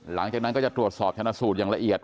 หลังจากนั้นก็จะตรวจสอบชนะสูตรอย่างละเอียด